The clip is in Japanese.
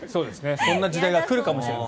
そんな時代が来るかもしれない。